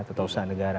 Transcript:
tata usaha negara